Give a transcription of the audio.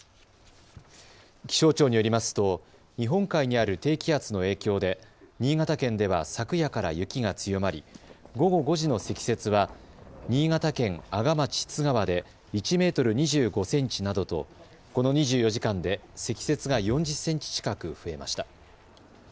気象庁によりますと日本海にある低気圧の影響で新潟県では昨夜から雪が強まり午後５時の積雪は新潟県阿賀町津川で１メートル２５センチなどとこの２４時間で積雪が４０センチ近く増えました。